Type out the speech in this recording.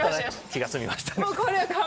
気が済みましたか？